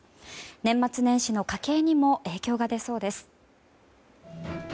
年末年始の家計にも影響が出そうです。